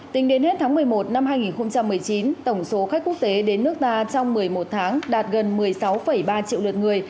tính đến hết tháng một mươi một năm hai nghìn một mươi chín tổng số khách quốc tế đến nước ta trong một mươi một tháng đạt gần một mươi sáu ba triệu lượt người